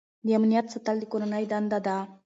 د امنیت ساتل د کورنۍ دنده ده.